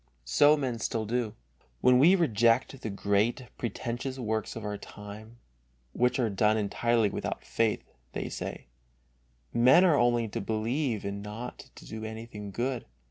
So men still do. When we reject the great, pretentious works of our time, which are done entirely without faith, they say: Men are only to believe and not to do anything good.